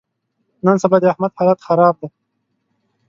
نن سبا د احمد حالت خراب دی.